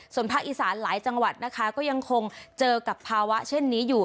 ส่วนภาคอีสานหลายจังหวัดนะคะก็ยังคงเจอกับภาวะเช่นนี้อยู่